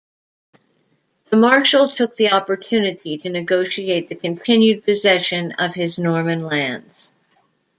The Marshal took the opportunity to negotiate the continued possession of his Norman lands.